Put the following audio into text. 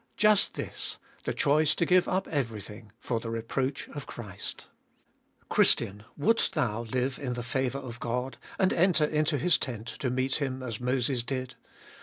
Just this — the choice to give up everything for the reproach of Christ. Christian, wouldst thou live in the favour of God, and enter into His tent to meet Him as Moses did